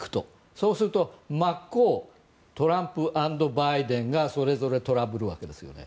そうすると真っ向トランプアンドバイデンがそれぞれトラブるわけですよね。